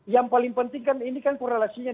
yang paling penting kan ini kan korelasinya